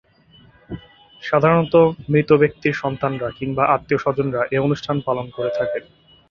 সাধারণত মৃত ব্যক্তির সন্তানরা কিংবা আত্মীয়-স্বজনরা এ অনুষ্ঠান পালন করে থাকে।